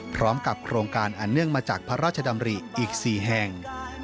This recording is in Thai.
พร้อมกับโครงการอันเนื่องมาจากพระราชดำริอีก๔แห่ง